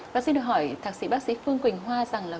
bác xin được hỏi thạc sĩ bác sĩ phương quỳnh hoa rằng là